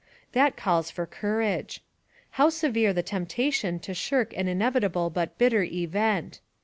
That calls for courage! How severe the temptation to shirk an inevitable but bitter event!